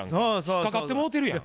引っ掛かってもうてるやん。